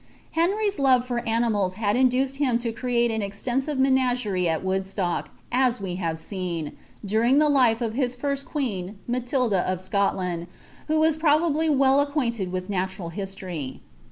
Henry's love for animals had induced him He an extensive menagerie at Woodstock, as we have seen, during 'e of his first queen, Matilda of Scotland, who was probably weU nted with natural history.